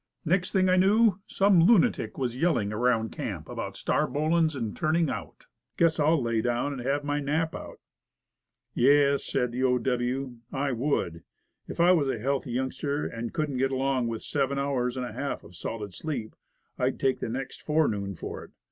Next thing I knew, some lunatic was yelling around camp about 'starbolin's,' and 'turning out.' Guess I'll lay down and have my nap out." "Yes," says the O. W., "I would. If I was a healthy youngster, and couldn't get along with seven $8 Woodcraft. hours and a half of solid sleep, I'd take the next forenoon for it.